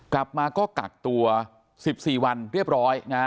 กลับมาก็กักตัว๑๔วันเรียบร้อยนะฮะ